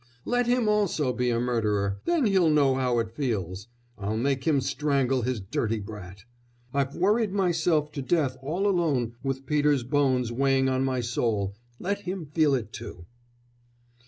"Let him also be a murderer! Then he'll know how it feels.... I'll make him strangle his dirty brat! I've worried myself to death all alone with Peter's bones weighing on my soul. Let him feel it too."